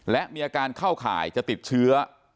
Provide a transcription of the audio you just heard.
และมีอาการเข้าข่ายจะติดเชื้อ